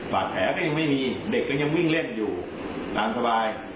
แผลก็ยังไม่มีเด็กก็ยังวิ่งเล่นอยู่ตามสบาย